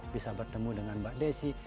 bisa bertemu dengan mbak desi